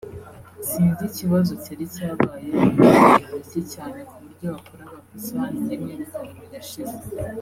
sinzi ikibazo cyari cyabaye ibiribwa biba bike cyane ku buryo wakoraga ku isahane rimwe bikaba birashize